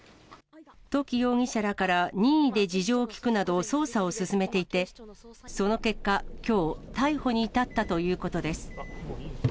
土岐容疑者らから任意で事情を聴くなど、捜査を進めていて、その結果、きょう、逮捕に至ったということです。